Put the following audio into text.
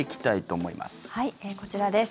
はい、こちらです。